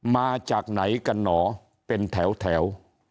มาจากไหนกันหนอเป็นแถว